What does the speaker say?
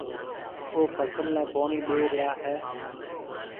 او فصل نَي پوڻِي ڏيَ ريا هيَ۔